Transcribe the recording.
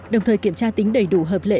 đồng thời kiểm tra tính đầy đủ hợp lệ